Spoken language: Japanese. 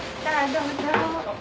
どうぞ。